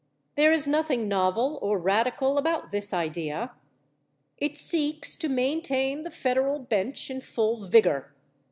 There is nothing novel or radical about this idea. It seeks to maintain the federal bench in full vigor.